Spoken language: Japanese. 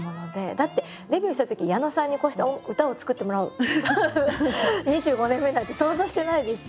だってデビューしたとき矢野さんにこうして歌を作ってもらう２５年目なんて想像してないです。